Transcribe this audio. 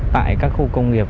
tại các khu công nghiệp